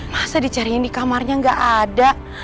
masa dicariin di kamarnya gak ada